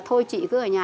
thôi chị cứ ở nhà